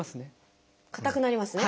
かたくなりますね。